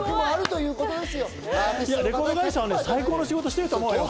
レコード会社は最高の仕事をしてると思う。